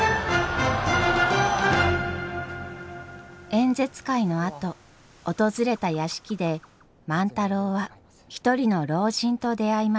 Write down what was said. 演説会のあと訪れた屋敷で万太郎は一人の老人と出会います。